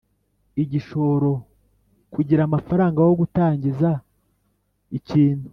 igishoro kugira amafaranga wo gutangiza ikintu